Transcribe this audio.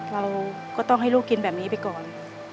เราก็ต้องให้ลูกกินแบบนี้ไปก่อน